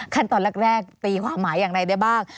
ขั้นตอนแรกตีความหมายอย่างไรได้บ้าง